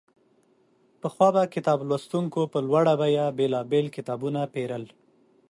پخوا به کتاب لوستونکو په لوړه بیه بېلابېل کتابونه پېرل.